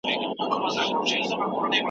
نړوي چي مدرسې د واسکټونو